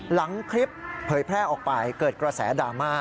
หลังคลิปเผยแพร่ออกไปเกิดกระแสดราม่า